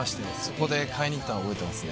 そこで買いに行ったの覚えてます。